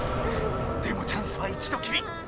でもチャンスは一度きり。